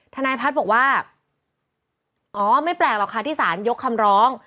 ทนายพัฒน์บอกว่าอ๋อไม่แปลกหรอกค่ะที่สารยกคำร้อง